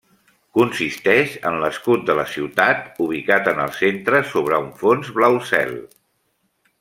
Consisteix en l'escut de la ciutat ubicat en el centre, sobre un fons blau cel.